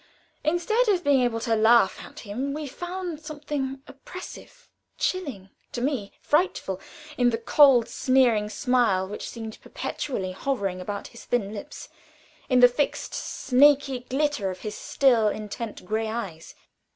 Instead of being able to laugh at him, we found something oppressive, chilling, to me frightful, in the cold, sneering smile which seemed perpetually hovering about his thin lips in the fixed, snaky glitter of his still, intent gray eyes.